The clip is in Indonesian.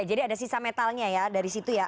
jadi ada sisa metalnya ya dari situ ya